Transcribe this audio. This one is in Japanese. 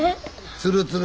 ツルツル？